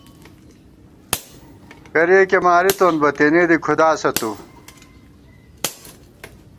کریَکےمارِتون بہ تېنےدی کھُداسہ تُو